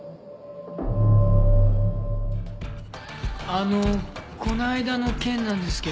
あのこの間の件なんですけど。